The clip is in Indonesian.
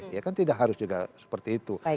ya kan tidak harus juga seperti itu